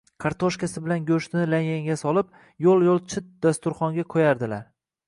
kartoshkasi bilan goʼshtini laganga solib, yoʼl-yoʼl chit dasturxonga qoʼyardilar.